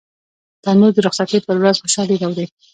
ترموز د رخصتۍ پر ورځ خوشالي راوړي.